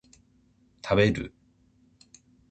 食べる